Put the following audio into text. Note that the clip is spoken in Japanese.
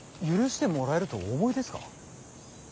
許してもらえるとお思いですか。